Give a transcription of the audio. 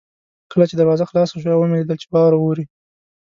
کله چې دروازه خلاصه شوه ومې لیدل چې واوره اورې.